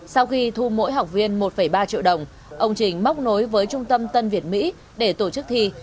sau khi thu mỗi học viên một ba triệu đồng ông trình móc nối với trung tâm tân việt mỹ để tổ chức thi